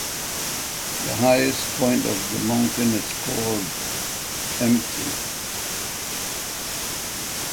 The highest point of the mountain is called Mt.